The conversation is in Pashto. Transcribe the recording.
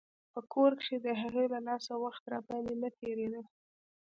په کور کښې د هغې له لاسه وخت راباندې نه تېرېده.